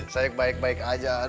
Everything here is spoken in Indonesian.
sayang baik baik aja